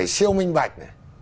siêu minh bạch